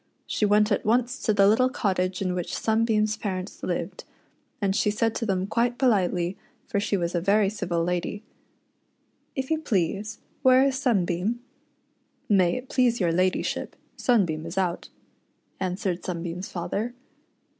She went at once to the little cottage in which Sunbeam's parents lived, and she said to them quite politely, for she was a very civil lady —" If you please, where is Sunbeam .'" "May it please your ladyship, Sunbeam is out," answered Sunbeam's father.